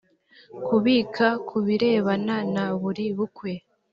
kubika ku birebana na buri bukwe.